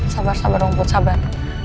sabar sabar ampun sabar